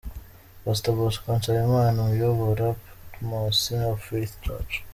Pastor Bosco Nsabimana uyobora Patmos of Faith church.